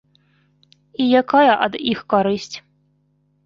І якая ад іх карысць?